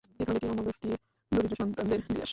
এ থলেটি অমুক ব্যক্তির দরিদ্র সন্তানদের দিয়ে আস।